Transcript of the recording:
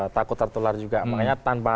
takut tertular juga makanya tanpa